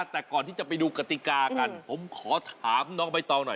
แต่ก่อนที่จะไปดูกติกากันผมขอถามน้องใบตองหน่อย